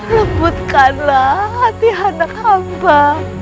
lembutkanlah hati anak hamba